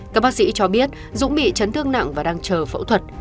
các bác sĩ cho biết dũng bị chấn thương nặng và đang chờ phẫu thuật